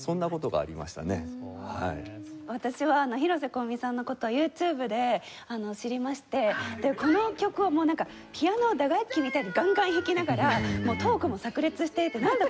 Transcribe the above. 私は広瀬香美さんの事はＹｏｕＴｕｂｅで知りましてこの曲をもうなんかピアノを打楽器みたいにガンガン弾きながらトークも炸裂していてなんだ？